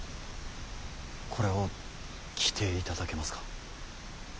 これを着ていただけますか。